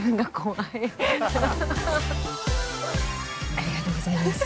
◆ありがとうございます。